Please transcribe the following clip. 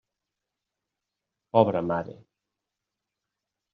Pobra mare!